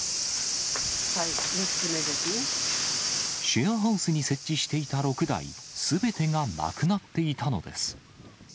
シェアハウスに設置していた６台すべてがなくなっていたのです。